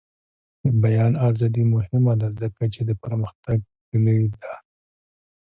د بیان ازادي مهمه ده ځکه چې د پرمختګ کلي ده.